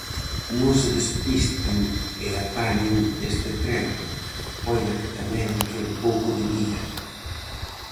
Non se despisten e apañen este tren, poida que tamén lle quede pouco de vida!